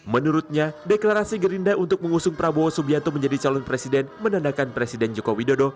menurutnya deklarasi gerindra untuk mengusung prabowo subianto menjadi calon presiden menandakan presiden joko widodo